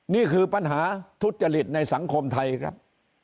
นี่คือปัญหาทุจริตในสังคมไทยครับ